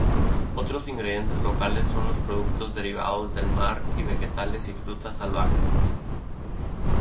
Otros ingredientes locales son los productos derivados del mar y vegetales y frutas salvajes.